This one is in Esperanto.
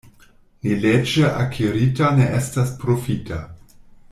Neleĝe akirita ne estas profita.